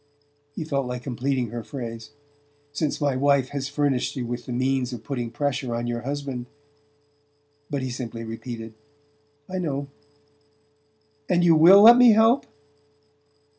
He felt like completing her phrase: "Since my wife has furnished you with the means of putting pressure on your husband " but he simply repeated: "I know." "And you WILL let me help?"